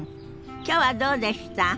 きょうはどうでした？